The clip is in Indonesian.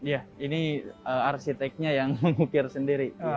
ya ini arsiteknya yang mengukir sendiri